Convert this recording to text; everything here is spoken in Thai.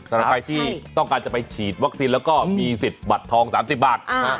สำหรับใครที่ต้องการจะไปฉีดวัคซีนแล้วก็มีสิทธิ์บัตรทอง๓๐บาท